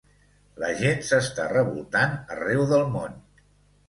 La gent s'està revoltant arreu del món.